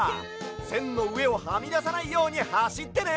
せんのうえをはみださないようにはしってね！